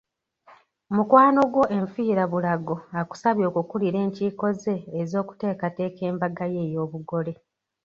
Mukwano gwo enfiirabulago akusabye okukulira enkiiko ze ez’okuteekateeka embaga ye ey’obugole.